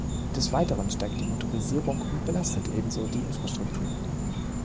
Des Weiteren steigt die Motorisierung und belastet ebenso die Infrastruktur.